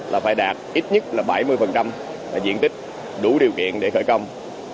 là phải đạt ít nhất là bảy mươi diện tích đủ điều kiện để khởi công